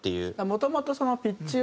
もともとピッチを。